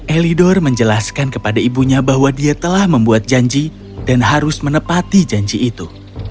elidor menjelaskan kepada ibunya bahwa dia telah membuat janji dan harus menepati janji itu